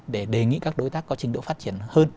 để đề nghị các đối tác có trình độ phát triển hơn